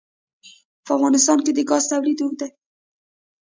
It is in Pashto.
په افغانستان کې د ګاز تاریخ اوږد دی.